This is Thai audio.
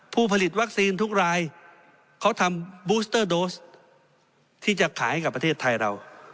ผู้ผลิตวัคซีนทุกรายเขาทำบูสเตอร์โดสที่จะขายให้กับประเทศไทยเรา